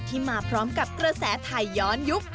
มาพร้อมกับกระแสไทยย้อนยุค